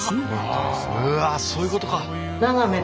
うわそういうことか！